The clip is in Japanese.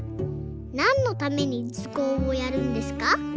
なんのためにずこうをやるんですか？」